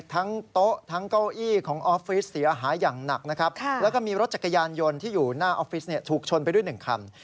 โต๊ะทั้งเก้าอี้ของออฟฟิศเสียหายอย่างหนักนะครับแล้วก็มีรถจักรยานยนต์ที่อยู่หน้าออฟฟิศถูกชนไปด้วยหนึ่งคัน